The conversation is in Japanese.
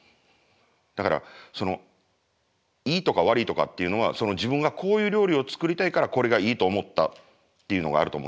だからいいとか悪いとかっていうのは自分がこういう料理を作りたいからこれがいいと思ったっていうのがあると思うんですね。